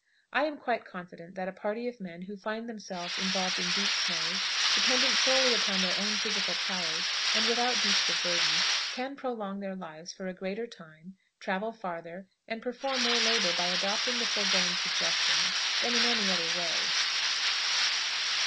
I am quite confident that a party of men who find themselves involved in deep snows, dependent solely upon their own physical powers, and without beasts of burden, can prolong their lives for a greater time, travel farther, and perform more labor by adopting the foregoing suggestions than in any other way.